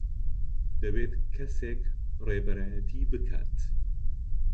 دەبێت کەسێک ڕێبەرایەتی بکات.